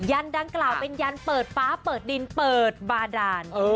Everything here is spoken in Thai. ันดังกล่าวเป็นยันเปิดฟ้าเปิดดินเปิดบาดาน